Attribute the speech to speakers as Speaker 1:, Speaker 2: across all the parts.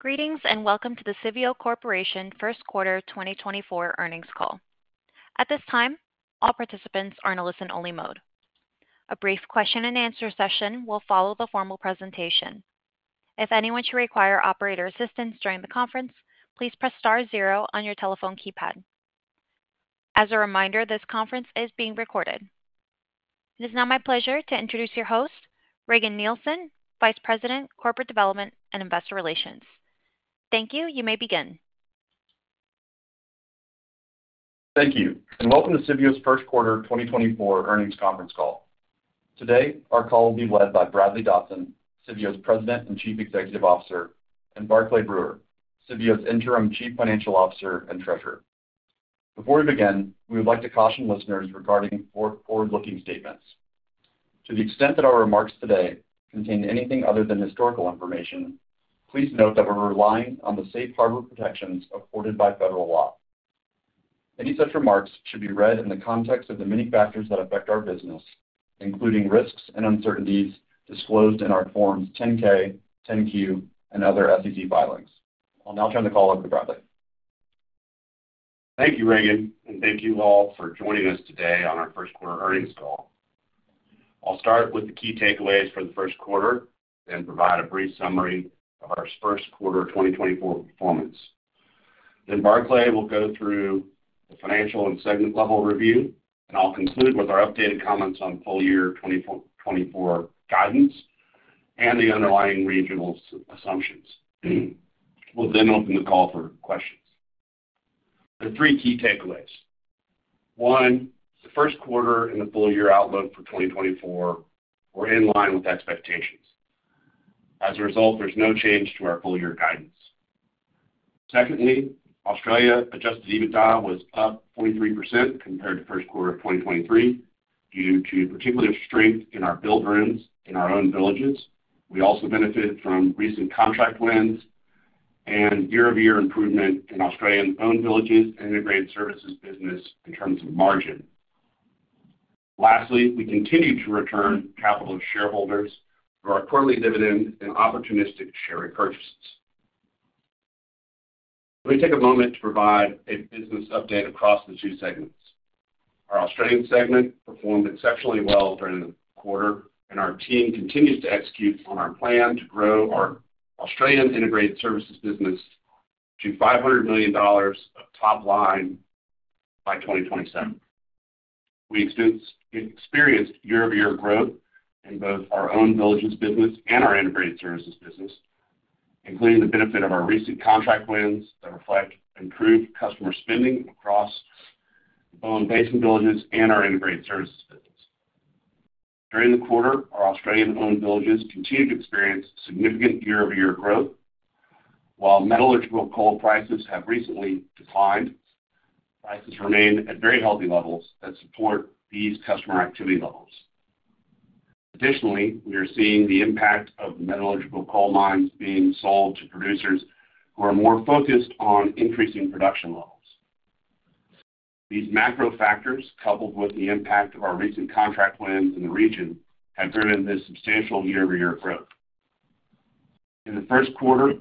Speaker 1: Greetings, and welcome to the Civeo Corporation First Quarter 2024 earnings call. At this time, all participants are in a listen-only mode. A brief question and answer session will follow the formal presentation. If anyone should require operator assistance during the conference, please press star zero on your telephone keypad. As a reminder, this conference is being recorded. It is now my pleasure to introduce your host, Regan Nielsen, Vice President, Corporate Development and Investor Relations. Thank you. You may begin.
Speaker 2: Thank you, and welcome to Civeo's first quarter 2024 earnings conference call. Today, our call will be led by Bradley Dodson, Civeo's President and Chief Executive Officer, and Barclay Brewer, Civeo's Interim Chief Financial Officer and Treasurer. Before we begin, we would like to caution listeners regarding forward-looking statements. To the extent that our remarks today contain anything other than historical information, please note that we're relying on the safe harbor protections afforded by federal law. Any such remarks should be read in the context of the many factors that affect our business, including risks and uncertainties disclosed in our Form 10-K, Form 10-Q, and other SEC filings. I'll now turn the call over to Bradley.
Speaker 3: Thank you, Regan, and thank you all for joining us today on our first quarter earnings call. I'll start with the key takeaways for the first quarter, then provide a brief summary of our first quarter 2024 performance. Then Barclay will go through the financial and segment-level review, and I'll conclude with our updated comments on full year 2024 guidance and the underlying regional assumptions. We'll then open the call for questions. There are three key takeaways. One, the first quarter and the full year outlook for 2024 were in line with expectations. As a result, there's no change to our full-year guidance. Secondly, Australia adjusted EBITDA was up 23% compared to first quarter of 2023, due to particular strength in our billed rooms, in our owned villages. We also benefited from recent contract wins and year-over-year improvement in Australian owned villages and integrated services business in terms of margin. Lastly, we continue to return capital to shareholders through our quarterly dividend and opportunistic share repurchases. Let me take a moment to provide a business update across the two segments. Our Australian segment performed exceptionally well during the quarter, and our team continues to execute on our plan to grow our Australian integrated services business to $500 million of top line by 2027. We experienced year-over-year growth in both our owned villages business and our integrated services business, including the benefit of our recent contract wins that reflect improved customer spending across Bowen Basin villages and our integrated services business. During the quarter, our Australian owned villages continued to experience significant year-over-year growth. While metallurgical coal prices have recently declined, prices remain at very healthy levels that support these customer activity levels. Additionally, we are seeing the impact of metallurgical coal mines being sold to producers who are more focused on increasing production levels. These macro factors, coupled with the impact of our recent contract wins in the region, have driven this substantial year-over-year growth. In the first quarter,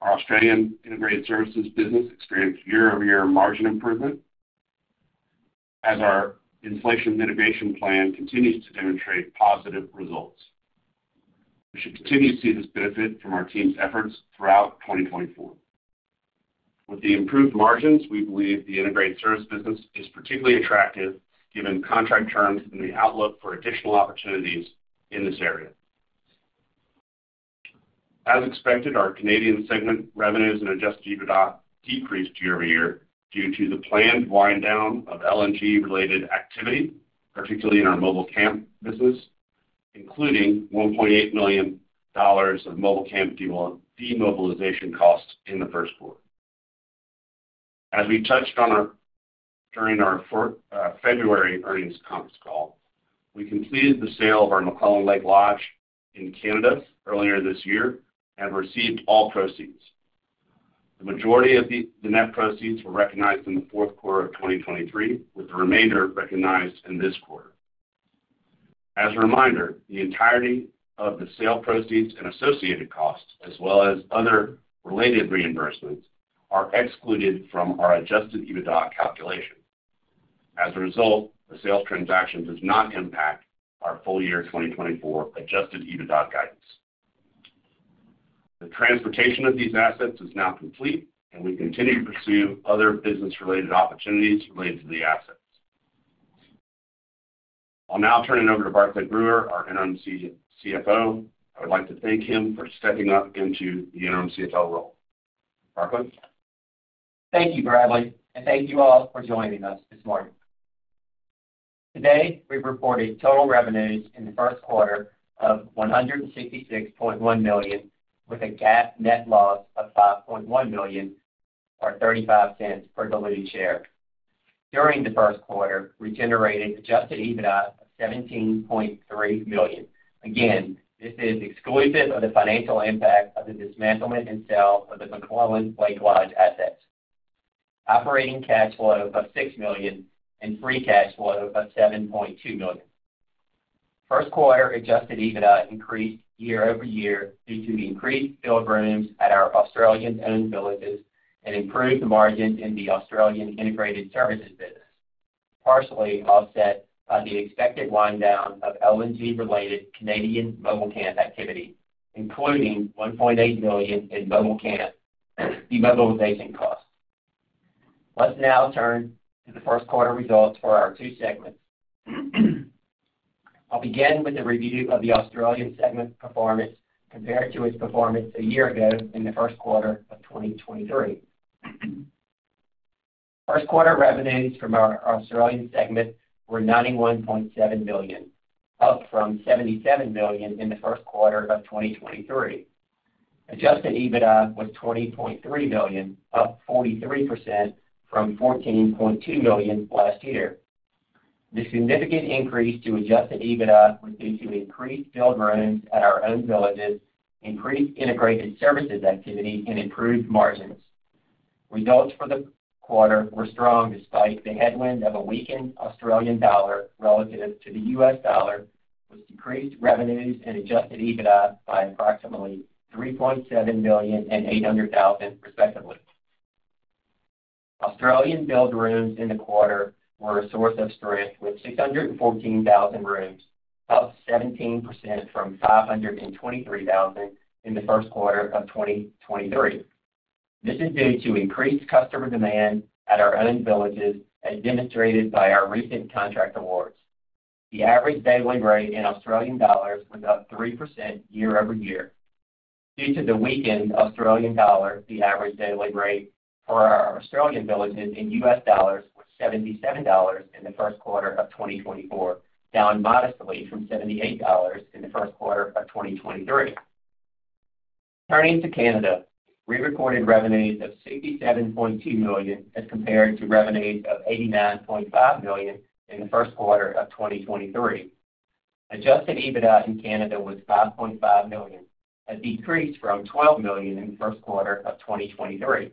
Speaker 3: our Australian integrated services business experienced year-over-year margin improvement as our inflation mitigation plan continues to demonstrate positive results. We should continue to see this benefit from our team's efforts throughout 2024. With the improved margins, we believe the integrated service business is particularly attractive, given contract terms and the outlook for additional opportunities in this area. As expected, our Canadian segment revenues and adjusted EBITDA decreased year-over-year due to the planned wind down of LNG-related activity, particularly in our mobile camp business, including $1.8 million of mobile camp demobilization costs in the first quarter. As we touched on during our fourth February earnings conference call, we completed the sale of our McClelland Lake Lodge in Canada earlier this year and received all proceeds. The majority of the net proceeds were recognized in the fourth quarter of 2023, with the remainder recognized in this quarter. As a reminder, the entirety of the sale proceeds and associated costs, as well as other related reimbursements, are excluded from our adjusted EBITDA calculation. As a result, the sales transaction does not impact our full year 2024 adjusted EBITDA guidance. The transportation of these assets is now complete, and we continue to pursue other business-related opportunities related to the assets. I'll now turn it over to Barclay Brewer, our interim CFO. I would like to thank him for stepping up into the interim CFO role. Barclay?
Speaker 4: Thank you, Bradley, and thank you all for joining us this morning. Today, we've reported total revenues in the first quarter of $166.1 million, with a GAAP net loss of $5.1 million, or $0.35 per diluted share. During the first quarter, we generated Adjusted EBITDA of $17.3 million. Again, this is exclusive of the financial impact of the dismantlement and sale of the McClelland Lake Lodge assets. Operating cash flow of $6 million and free cash flow of $7.2 million. First quarter adjusted EBITDA increased year-over-year due to the increased billed rooms at our Australian owned villages and improved margins in the Australian integrated services business, partially offset by the expected wind down of LNG-related Canadian mobile camp activity, including $1.8 million in mobile camp demobilization costs. Let's now turn to the first quarter results for our two segments. I'll begin with a review of the Australian segment performance compared to its performance a year ago in the first quarter of 2023. First quarter revenues from our Australian segment were $91.7 million, up from $77 million in the first quarter of 2023. Adjusted EBITDA was $20.3 million, up 43% from $14.2 million last year. The significant increase to Adjusted EBITDA was due to increased billed rooms at our own villages, increased integrated services activity, and improved margins. Results for the quarter were strong, despite the headwind of a weakened Australian dollar relative to the U.S. dollar, which decreased revenues and Adjusted EBITDA by approximately $3.7 million and $800,000, respectively. Australian billed rooms in the quarter were a source of strength, with 614,000 rooms, up 17% from 523,000 in the first quarter of 2023. This is due to increased customer demand at our own villages, as demonstrated by our recent contract awards. The average daily rate in Australian dollars was up 3% year-over-year. Due to the weakened Australian dollar, the average daily rate for our Australian villages in U.S. dollars was $77 in the first quarter of 2024, down modestly from $78 in the first quarter of 2023. Turning to Canada, we recorded revenues of $67.2 million, as compared to revenues of $89.5 million in the first quarter of 2023. Adjusted EBITDA in Canada was $5.5 million, a decrease from $12 million in the first quarter of 2023.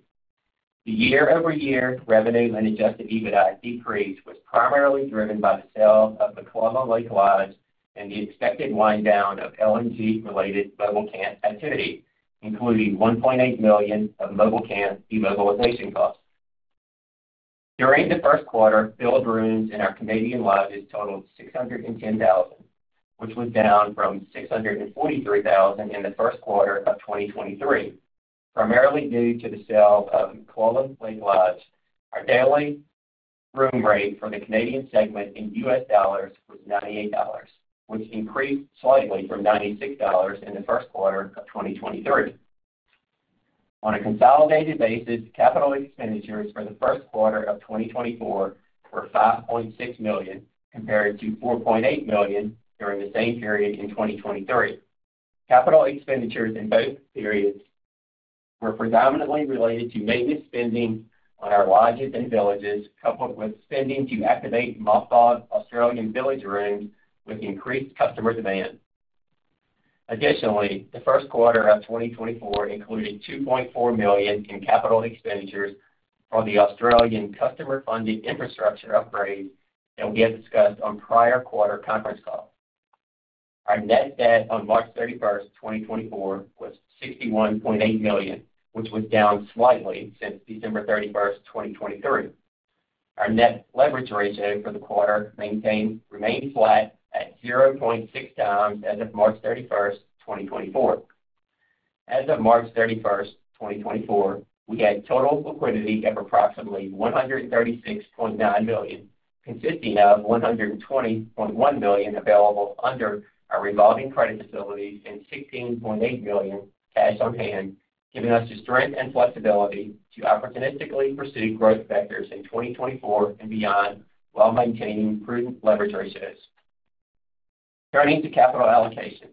Speaker 4: The year-over-year revenue and adjusted EBITDA decrease was primarily driven by the sale of the McClelland Lake Lodge and the expected wind down of LNG-related mobile camp activity, including $1.8 million of mobile camp demobilization costs. During the first quarter, billed rooms in our Canadian lodges totaled 610,000, which was down from 643,000 in the first quarter of 2023, primarily due to the sale of McClelland Lake Lodge. Our daily room rate for the Canadian segment in US dollars was $98, which increased slightly from $96 in the first quarter of 2023. On a consolidated basis, capital expenditures for the first quarter of 2024 were $5.6 million, compared to $4.8 million during the same period in 2023. Capital expenditures in both periods were predominantly related to maintenance spending on our lodges and villages, coupled with spending to activate mothballed Australian village rooms with increased customer demand. Additionally, the first quarter of 2024 included $2.4 million in capital expenditures for the Australian customer-funded infrastructure upgrade that we had discussed on prior quarter conference calls. Our net debt on March 31st, 2024, was $61.8 million, which was down slightly since December 31st, 2023. Our net leverage ratio for the quarter remained flat at 0.6x as of March 31st, 2024. As of March 31st, 2024, we had total liquidity of approximately $136.9 million, consisting of $120.1 million available under our revolving credit facilities and $16.8 million cash on hand, giving us the strength and flexibility to opportunistically pursue growth vectors in 2024 and beyond, while maintaining prudent leverage ratios. Turning to capital allocation,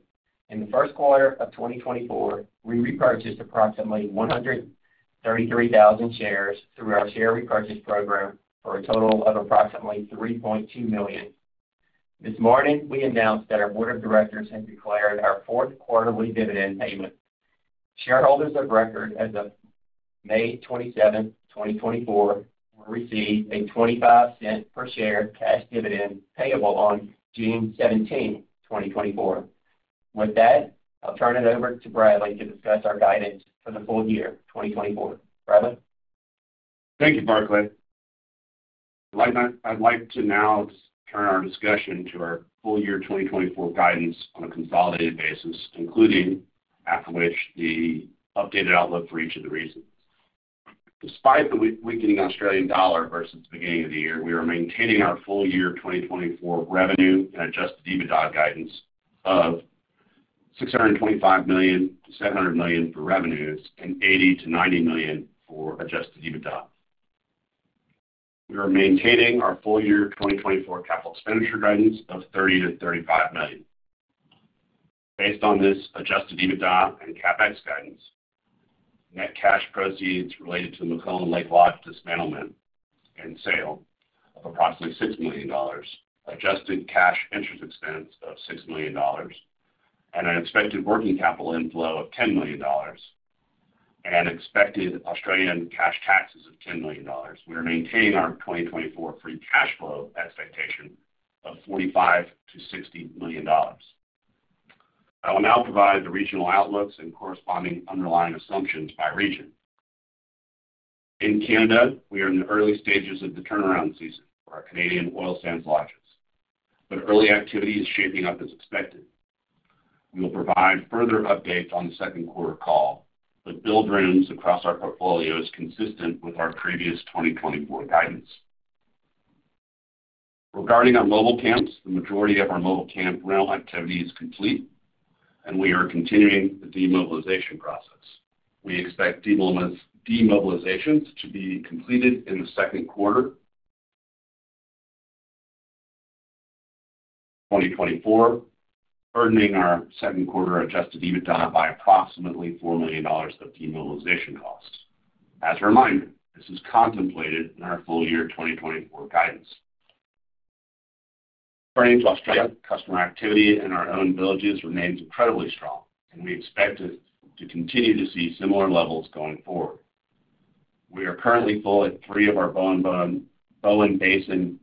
Speaker 4: in the first quarter of 2024, we repurchased approximately 133,000 shares through our share repurchase program for a total of approximately $3.2 million. This morning, we announced that our board of directors have declared our fourth quarterly dividend payment. Shareholders of record as of May 27th, 2024, will receive a $0.25 per share cash dividend payable on June 17, 2024. With that, I'll turn it over to Bradley to discuss our guidance for the full year 2024. Bradley?
Speaker 3: Thank you, Barclay. Like, I'd like to now turn our discussion to our full year 2024 guidance on a consolidated basis, including, after which, the updated outlook for each of the regions. Despite the weakening Australian dollar versus the beginning of the year, we are maintaining our full year 2024 revenue and Adjusted EBITDA guidance of $625 million-$700 million for revenues and $80 million-$90 million for Adjusted EBITDA. We are maintaining our full year 2024 capital expenditure guidance of $30 million-$35 million. Based on this Adjusted EBITDA and CapEx guidance, net cash proceeds related to the McClelland Lake Lodge dismantlement and sale of approximately $6 million, adjusted cash interest expense of $6 million, and an expected working capital inflow of $10 million, and expected Australian cash taxes of $10 million. We are maintaining our 2024 free cash flow expectation of $45 million-$60 million. I will now provide the regional outlooks and corresponding underlying assumptions by region. In Canada, we are in the early stages of the turnaround season for our Canadian oil sands lodges, but early activity is shaping up as expected. We will provide further updates on the second quarter call, but billed rooms across our portfolio is consistent with our previous 2024 guidance. Regarding our mobile camps, the majority of our mobile camp rental activity is complete, and we are continuing the demobilization process. We expect demobilizations to be completed in the second quarter 2024, burdening our second quarter adjusted EBITDA by approximately $4 million of demobilization costs. As a reminder, this is contemplated in our full year 2024 guidance. Turning to Australia, customer activity in our own villages remains incredibly strong, and we expect to continue to see similar levels going forward. We are currently full at three of our Bowen Basin, Bowen Basin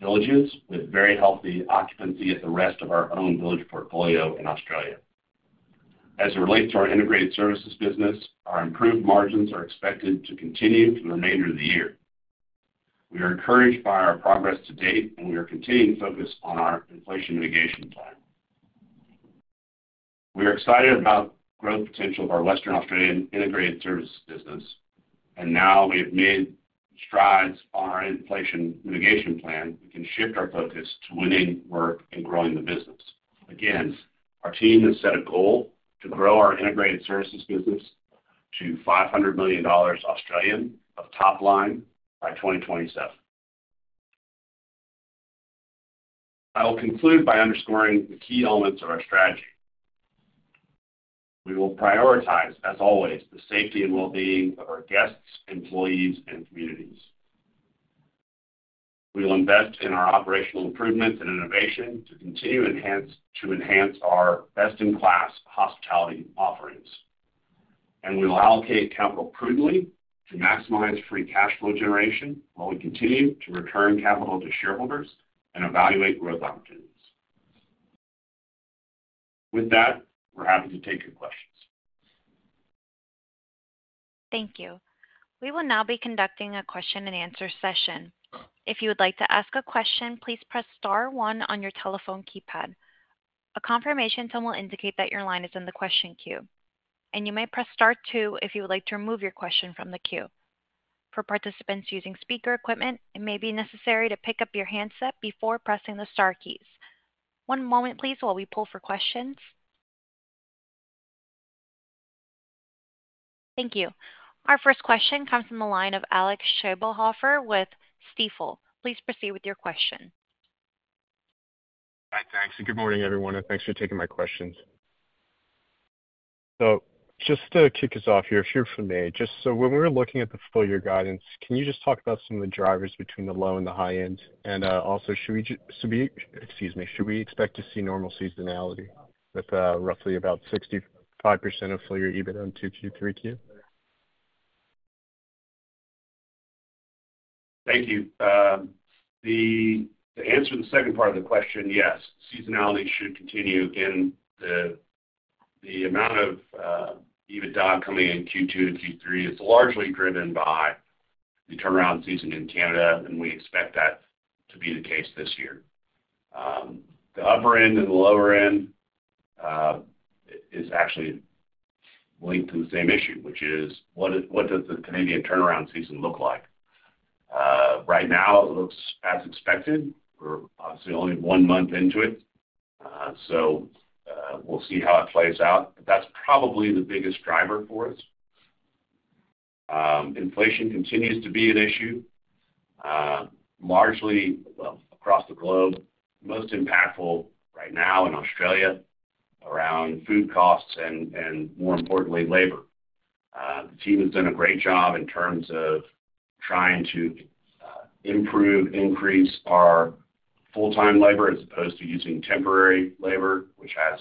Speaker 3: villages, with very healthy occupancy at the rest of our own village portfolio in Australia. As it relates to our integrated services business, our improved margins are expected to continue for the remainder of the year. We are encouraged by our progress to date, and we are continuing to focus on our inflation mitigation plan. We are excited about the growth potential of our Western Australian integrated services business, and now we have made strides on our inflation mitigation plan. We can shift our focus to winning work and growing the business. Again, our team has set a goal to grow our integrated services business to 500 million Australian dollars of top line by 2027. I will conclude by underscoring the key elements of our strategy. We will prioritize, as always, the safety and wellbeing of our guests, employees, and communities. We will invest in our operational improvements and innovation to enhance our best-in-class hospitality offerings. We will allocate capital prudently to maximize free cash flow generation while we continue to return capital to shareholders and evaluate growth opportunities. With that, we're happy to take your questions.
Speaker 1: Thank you. We will now be conducting a question-and-answer session. If you would like to ask a question, please press star one on your telephone keypad. A confirmation tone will indicate that your line is in the question queue, and you may press star two if you would like to remove your question from the queue. For participants using speaker equipment, it may be necessary to pick up your handset before pressing the star keys. One moment, please, while we pull for questions. Thank you. Our first question comes from the line of Alec Scheibelhoffer with Stifel. Please proceed with your question.
Speaker 5: Hi, thanks, and good morning, everyone, and thanks for taking my questions. So just to kick us off here, here for me, just so when we're looking at the full year guidance, can you just talk about some of the drivers between the low and the high end? Also, should we – so we, excuse me, should we expect to see normal seasonality with, roughly about 65% of full year EBITDA in 2Q and Q3?
Speaker 3: Thank you. To answer the second part of the question: yes, seasonality should continue. Again, the amount of EBITDA coming in Q2 and Q3 is largely driven by the turnaround season in Canada, and we expect that to be the case this year. The upper end and the lower end is actually linked to the same issue, which is what does the Canadian turnaround season look like? Right now, it looks as expected. We're obviously only one month into it, so we'll see how it plays out. But that's probably the biggest driver for us. Inflation continues to be an issue, largely, well, across the globe. Most impactful right now in Australia around food costs and more importantly, labor. The team has done a great job in terms of trying to, improve, increase our full-time labor as opposed to using temporary labor, which has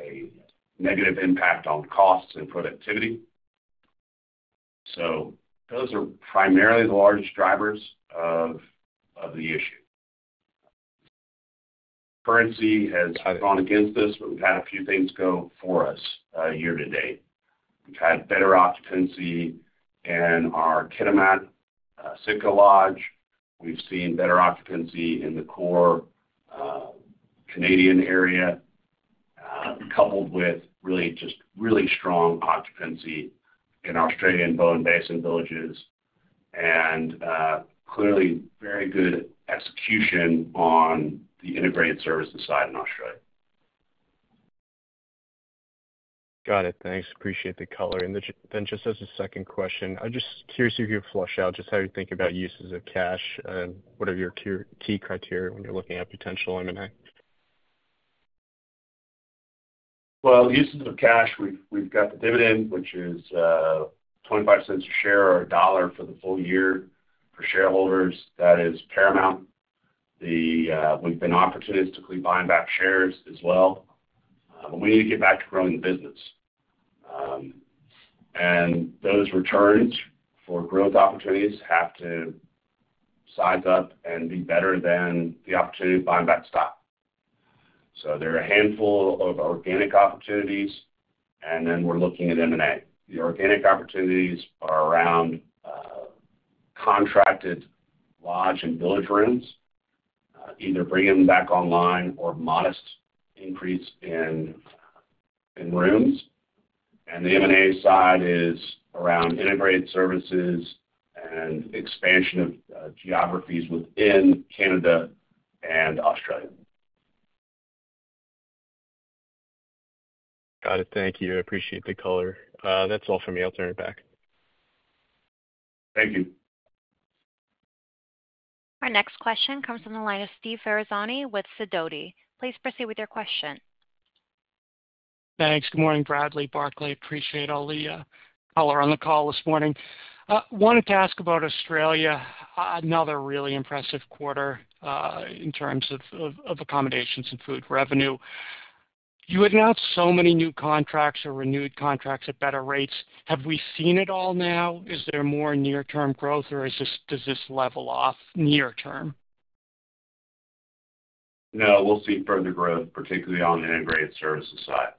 Speaker 3: a negative impact on costs and productivity. So those are primarily the largest drivers of the issue. Currency has gone against us, but we've had a few things go for us year to date. We've had better occupancy in our Kitimat, Sitka Lodge. We've seen better occupancy in the core Canadian area coupled with really, just really strong occupancy in Australian Bowen Basin villages and clearly very good execution on the integrated services side in Australia.
Speaker 5: Got it. Thanks. Appreciate the color. And then just as a second question, I'm just curious if you could flesh out just how you think about uses of cash and what are your key criteria when you're looking at potential M&A?
Speaker 3: Well, the usage of cash, we've got the dividend, which is $0.25 per share or $1 for the full year. For shareholders, that is paramount. We've been opportunistically buying back shares as well, but we need to get back to growing the business. And those returns for growth opportunities have to size up and be better than the opportunity to buy back stock. So there are a handful of organic opportunities, and then we're looking at M&A. The organic opportunities are around contracted lodge and village rooms, either bringing them back online or modest increase in rooms. And the M&A side is around integrated services and expansion of geographies within Canada and Australia.
Speaker 5: Got it. Thank you. I appreciate the color. That's all for me. I'll turn it back.
Speaker 3: Thank you.
Speaker 1: Our next question comes from the line of Steve Ferazani with Sidoti. Please proceed with your question.
Speaker 6: Thanks. Good morning, Bradley, Barclay. Appreciate all the color on the call this morning. Wanted to ask about Australia. Another really impressive quarter in terms of accommodations and food revenue. You announced so many new contracts or renewed contracts at better rates. Have we seen it all now? Is there more near-term growth, or is this, does this level off near term?
Speaker 3: No, we'll see further growth, particularly on the Integrated Services side.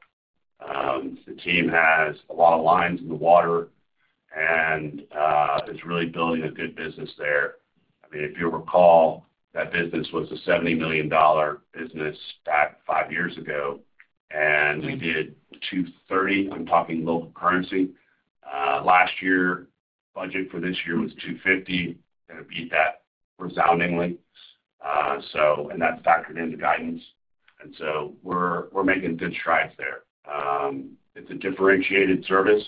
Speaker 3: The team has a lot of lines in the water and is really building a good business there. I mean, if you recall, that business was a $70 million business back five years ago, and we did 230 million, I'm talking local currency, last year. Budget for this year was 250 million, and it beat that resoundingly. So, and that's factored into guidance, and so we're making good strides there. It's a differentiated service,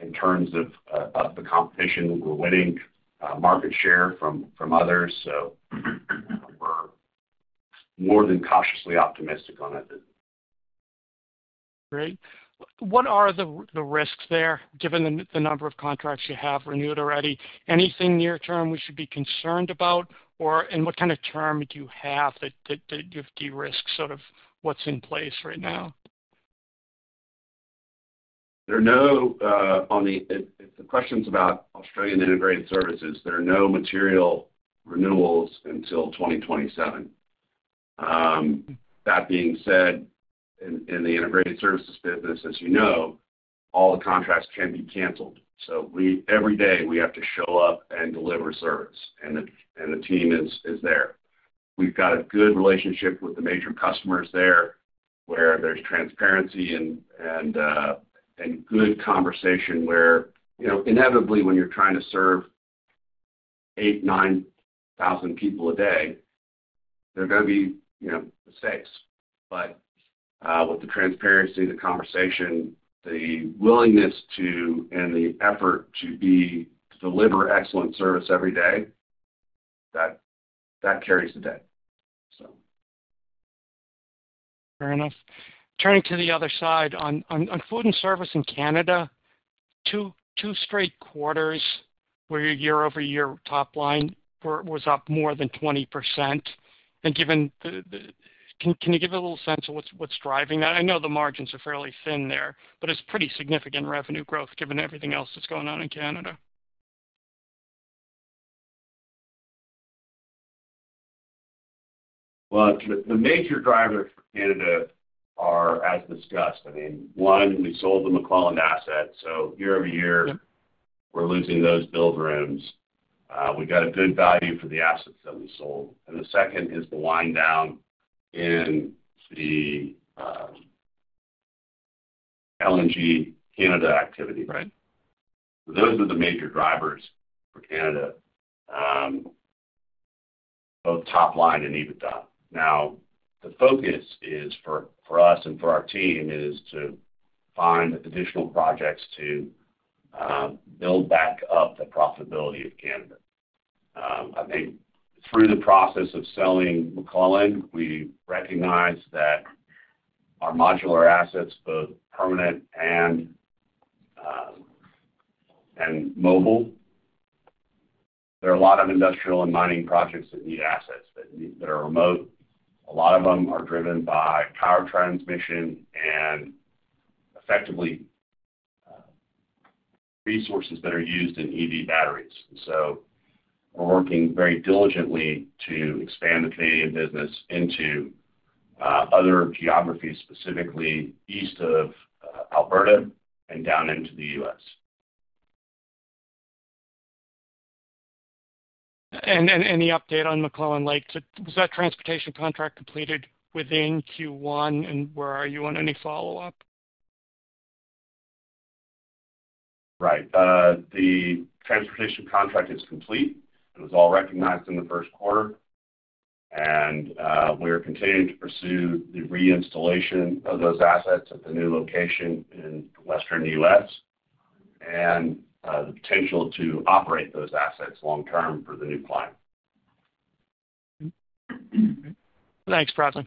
Speaker 3: in terms of the competition. We're winning market share from others, so we're more than cautiously optimistic on it.
Speaker 6: Great. What are the risks there, given the number of contracts you have renewed already? Anything near term we should be concerned about, or, and what kind of term do you have that you've de-risked sort of what's in place right now?
Speaker 3: If the question's about Australian integrated services, there are no material renewals until 2027. That being said, in the integrated services business, as you know, all the contracts can be canceled. So we every day we have to show up and deliver service, and the team is there. We've got a good relationship with the major customers there, where there's transparency and good conversation where, you know, inevitably, when you're trying to serve 8,000, 9,000 people a day, there are gonna be, you know, mistakes. But with the transparency, the conversation, the willingness to, and the effort to deliver excellent service every day, that carries the day, so.
Speaker 6: Fair enough. Turning to the other side, on food and service in Canada, two straight quarters where your year-over-year top line was up more than 20%. And given the... Can you give a little sense of what's driving that? I know the margins are fairly thin there, but it's pretty significant revenue growth, given everything else that's going on in Canada.
Speaker 3: Well, the major drivers for Canada are, as discussed, I mean, one, we sold the McClelland asset, so year-over-year, we're losing those billed rooms. We got a good value for the assets that we sold. And the second is the wind down in the LNG Canada activity, right? Those are the major drivers for Canada, both top line and EBITDA. Now, the focus, for us and for our team, is to find additional projects to build back up the profitability of Canada. I think through the process of selling McClelland, we recognized that our modular assets, both permanent and mobile, there are a lot of industrial and mining projects that need assets that are remote. A lot of them are driven by power transmission and effectively resources that are used in EV batteries. We're working very diligently to expand the Canadian business into other geographies, specifically east of Alberta and down into the U.S.
Speaker 6: Any update on McClelland Lake? Was that transportation contract completed within Q1, and where are you on any follow-up?
Speaker 3: Right. The transportation contract is complete. It was all recognized in the first quarter, and we're continuing to pursue the reinstallation of those assets at the new location in western U.S. and the potential to operate those assets long term for the new client.
Speaker 6: Thanks, Bradley.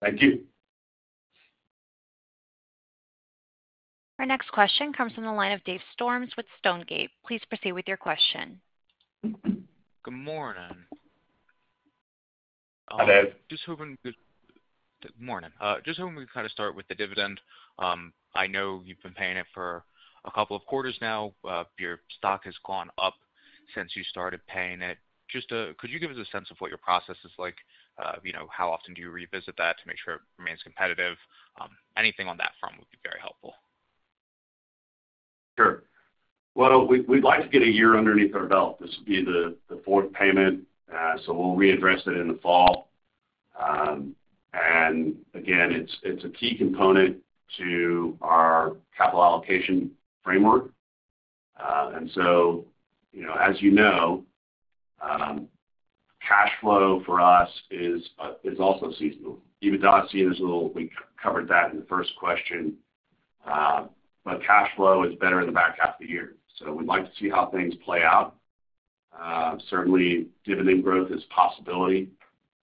Speaker 3: Thank you.
Speaker 1: Our next question comes from the line of Dave Storms with Stonegate. Please proceed with your question.
Speaker 7: Good morning.
Speaker 3: Hi, Dave.
Speaker 7: Good morning. Just hoping we kind of start with the dividend. I know you've been paying it for a couple of quarters now. Your stock has gone up since you started paying it. Just, could you give us a sense of what your process is like? You know, how often do you revisit that to make sure it remains competitive? Anything on that front would be very helpful.
Speaker 3: Sure. Well, we'd like to get a year underneath our belt. This will be the fourth payment, so we'll readdress it in the fall. And again, it's a key component to our capital allocation framework. And so, you know, cash flow for us is also seasonal. EBITDA is seasonal, we covered that in the first question. But cash flow is better in the back half of the year, so we'd like to see how things play out. Certainly dividend growth is a possibility,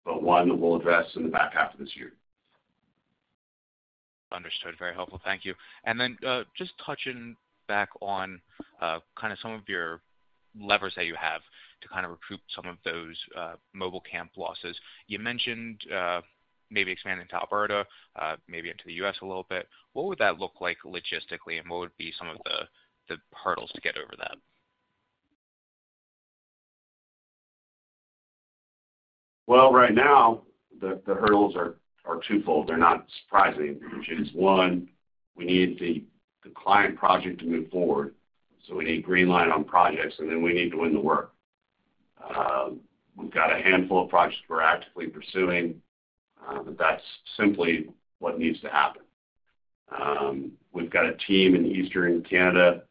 Speaker 3: but one that we'll address in the back half of this year.
Speaker 7: Understood. Very helpful. Thank you. And then, just touching back on, kind of some of your levers that you have to kind of recoup some of those mobile camp losses. You mentioned, maybe expanding to Alberta, maybe into the U.S. a little bit. What would that look like logistically, and what would be some of the hurdles to get over that?
Speaker 3: Well, right now, the hurdles are twofold. They're not surprising, which is, one, we need the client project to move forward, so we need green light on projects, and then we need to win the work. We've got a handful of projects we're actively pursuing, but that's simply what needs to happen. We've got a team in eastern Canada,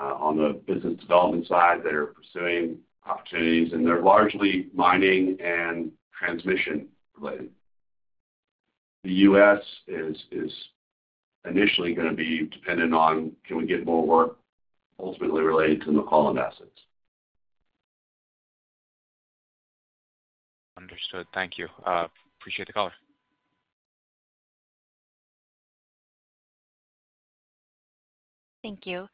Speaker 3: on the business development side that are pursuing opportunities, and they're largely mining and transmission related. The U.S. is initially gonna be dependent on can we get more work ultimately related to McClelland assets.
Speaker 7: Understood. Thank you. Appreciate the call.
Speaker 1: Thank you.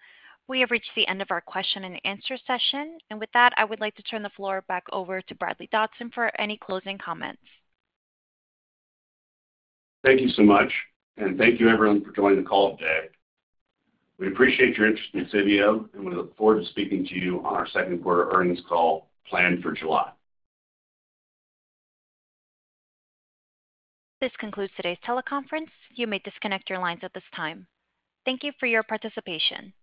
Speaker 1: We have reached the end of our question-and-answer session, and with that, I would like to turn the floor back over to Bradley Dodson for any closing comments.
Speaker 3: Thank you so much, and thank you everyone for joining the call today. We appreciate your interest in Civeo, and we look forward to speaking to you on our second quarter earnings call planned for July.
Speaker 1: This concludes today's teleconference. You may disconnect your lines at this time. Thank you for your participation.